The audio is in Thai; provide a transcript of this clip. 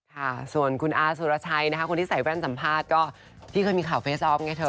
ค่ะส่วนคุณอาสุรชัยนะคะคนที่ใส่แว่นสัมภาษณ์ก็ที่เคยมีข่าวเฟสออฟไงเธอ